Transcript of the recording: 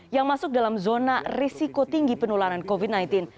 yang masuk dalam zona risiko tinggi penularan covid sembilan belas